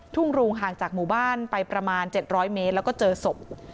ทุ่งรูห่างจากหมู่บ้านไปประมาณเจ็ดร้อยเมตรแล้วก็เจอศพ